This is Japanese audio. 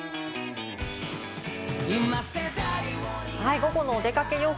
ゴゴのお出かけ予報。